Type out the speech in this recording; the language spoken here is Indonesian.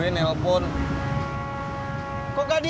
itu cualang bapak